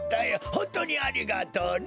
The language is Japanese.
ホントにありがとうね！